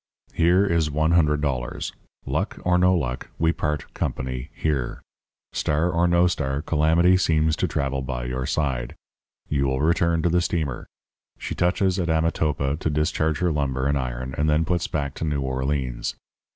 Here is one hundred dollars. Luck or no luck, we part company here. Star or no star, calamity seems to travel by your side. You will return to the steamer. She touches at Amotapa to discharge her lumber and iron, and then puts back to New Orleans.